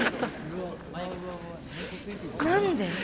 何で？